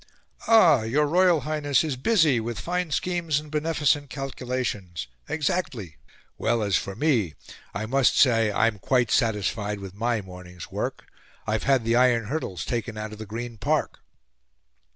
"Ah! your Royal Highness is busy with fine schemes and beneficent calculations exactly! Well, as for me, I must say I'm quite satisfied with my morning's work I've had the iron hurdles taken out of the Green Park."